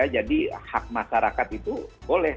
jadi hak masyarakat itu boleh